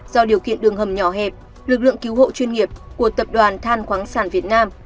do điều kiện đường hầm nhỏ hẹp lực lượng cứu hộ chuyên nghiệp của tập đoàn than khoáng sản việt nam